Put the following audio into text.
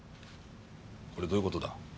これどういう事だ？